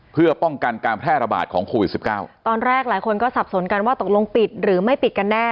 เพื่อป้องกันการแพร่ระบาดของโควิดสิบเก้าตอนแรกหลายคนก็สับสนกันว่าตกลงปิดหรือไม่ปิดกันแน่